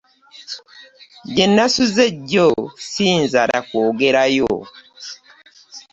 Gye nasuze jjo ssiyinza na kwogerayo.